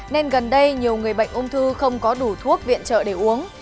nên gần đây nhiều người bệnh ung thư không có đủ thuốc viện trợ để uống